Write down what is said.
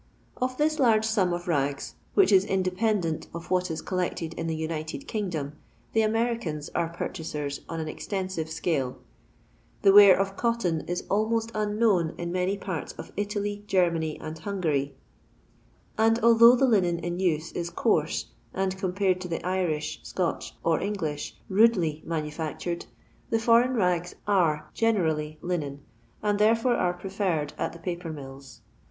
Of this large sum of rags, which is independent of what is collected in the United Kingdom, ths Americans are purchasers on an extensive scale. The wear of cotton is almost unknown in many parts of Italy, Germany, and Hiugnry ; and ai> LONDOir LABOUR AND THE LONDON POOR. 106 iliboagh the linen !n nw ii coatw and, compared to the Lriih, Scotch, or English, rudely mano fiKtuedy the foreign mgi an generally linen, and Acrefere are preferred at the paper milli.